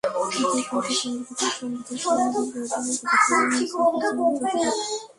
বিদায়ী কমিটির সাংগঠনিক সম্পাদক ছিলেন বীর বাহাদুর এবং সদস্য ছিলেন সাইফুজ্জামান চৌধুরী।